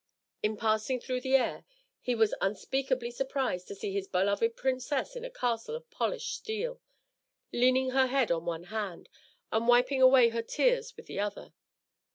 In passing through the air, he was unspeakably surprised to see his beloved princess in a castle of polished steel, leaning her head on one hand, and wiping away her tears with the other.